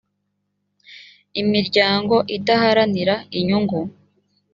imiryango idaharanira inyungu